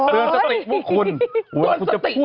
เตือนสติพวกคุณ